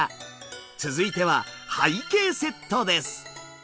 続いては背景セットです。